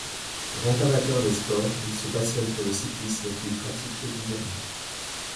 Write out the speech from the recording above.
Grand amateur de sports, il se passionne pour le cyclisme qu'il pratique régulièrement.